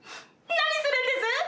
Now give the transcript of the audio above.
「何するんです！？」。